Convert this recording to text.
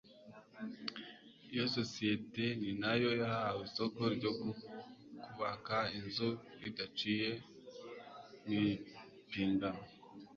iyo sosiyete ni na yo yahawe isoko ryo kubaka inzu bidaciye mu ipiganwa